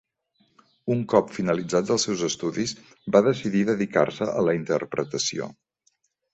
Un cop finalitzats els seus estudis va decidir dedicar-se a la interpretació.